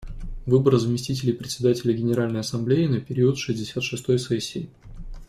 Выборы заместителей Председателя Генеральной Ассамблеи на период шестьдесят шестой сессии.